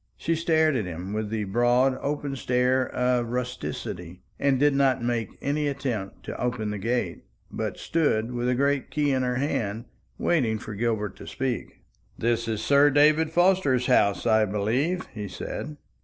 She stared at him with the broad open stare of rusticity, and did not make any attempt to open the gate, but stood with a great key in her hand, waiting for Gilbert to speak. "This is Sir David Forster's house, I believe," he said.